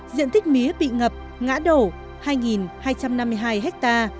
diện tích mía bị ngập ngã đổ hai hai trăm năm mươi hai ha